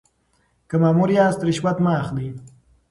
که مامور یاست رشوت مه اخلئ.